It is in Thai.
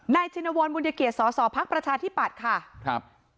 นายจินวรบุญเกียจสสพประชาธิปัตธิ์ค่ะครับ